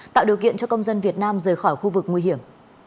tạo điều kiện cho công dân việt nam rời khỏi khu vực nguy hiểm